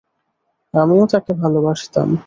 আমিও তাকে ভালোবাসতাম।